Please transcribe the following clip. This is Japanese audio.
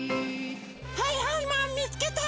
はいはいマンみつけた！